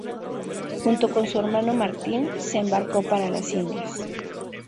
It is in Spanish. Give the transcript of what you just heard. Junto con su hermano Martín, se embarcó para las Indias.